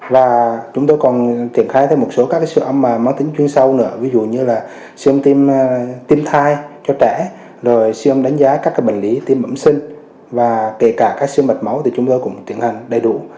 và chúng tôi còn triển khai thêm một số các siêu âm mà mắc tính chuyên sâu nữa ví dụ như là siêu âm tim tim thai cho trẻ rồi siêu âm tim đánh giá các bệnh lý tim bẩm sinh và kể cả các siêu âm tim mạch máu thì chúng tôi cũng triển hành đầy đủ